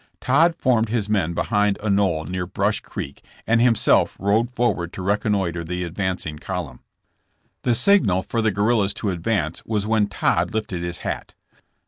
Todd formed his men behind a knoll near Brush Creek, and himself rode forward to reconnoitre the advancing column. The signal for the guerrillas to advance was when Todd lifted his hat.